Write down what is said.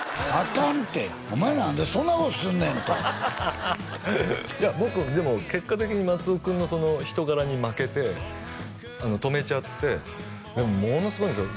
かんってお前なんでそんなことすんねんといや僕でも結果的に松尾くんのその人柄に負けて泊めちゃってものすごいんですよ